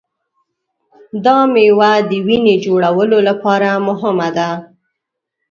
دا مېوه د وینې جوړولو لپاره مهمه ده.